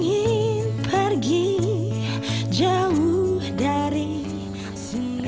jauh dari sini